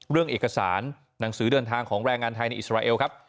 เรื่องเอกสารหนังสือเดินทางของแรงงานไทยในอิสราเอลครับ